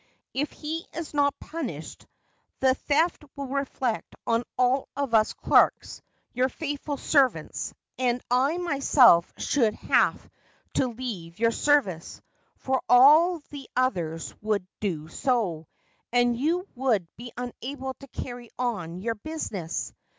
If he is not punished, the theft will reflect on all of us clerks, your faithful servants, and I myself should 247 Ancient Tales and Folklore of Japan have to leave your service, for all the others would do so, and you would be unable to carry on your business.